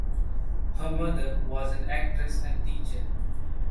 Her mother was an actress and teacher.